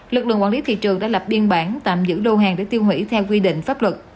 lực lượng quản lý thị trường đã lập biên bản tạm giữ lô hàng để tiêu hủy theo quy định pháp luật